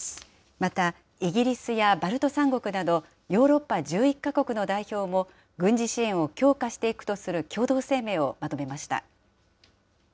またイギリスやバルト三国などヨーロッパ１１か国の代表も軍事支援を強化していくとする共同声明をまとめました。